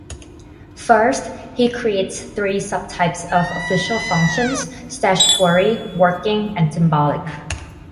First, he creates three sub-types of official functions: statutory, working, and symbolic.